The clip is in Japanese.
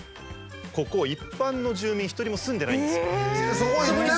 ここ一般の住民一人も住んでないんですよ。